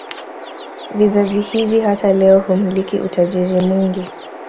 Vizazi hivi hata leo humiliki utajiri mwingi